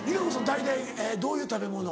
大体どういう食べ物を？